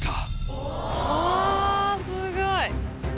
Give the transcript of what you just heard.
うわすごい。